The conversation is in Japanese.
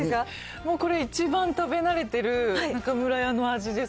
もうこれ、一番食べ慣れてる中村屋の味です。